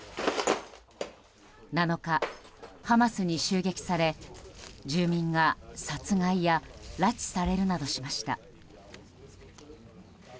７日、ハマスに襲撃され住民が殺害や拉致されるなどしました。